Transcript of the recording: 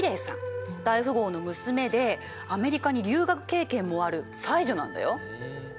大富豪の娘でアメリカに留学経験もある才女なんだよ。